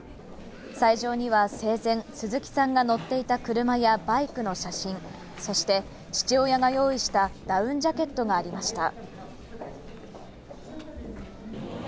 斎場には生前、鈴木さんが乗っていた車やバイクの写真、そして父親が用意したダウンジャケットがありました。